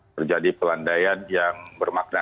terjadi pelandaian yang bermakna